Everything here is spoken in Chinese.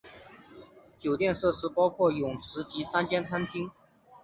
酒店设施包括泳池及三间餐厅。